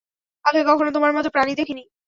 আগে কখনো তোমার মতো প্রাণী দেখিনি।